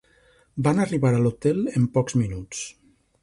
Van arribar a l'hotel en pocs minuts.